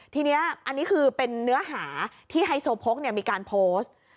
ทีนี้อันนี้คือเป็นเนื้อหาที่ไฮโซโพกมีการโพสต์